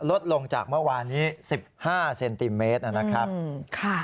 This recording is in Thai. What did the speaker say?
ลดลงจากเมื่อวานนี้๑๕เซนติเมตรนะครับ